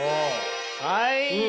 はい。